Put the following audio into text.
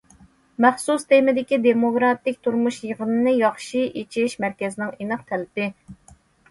مەخسۇس تېمىدىكى دېموكراتىك تۇرمۇش يىغىنىنى ياخشى ئېچىش مەركەزنىڭ ئېنىق تەلىپى.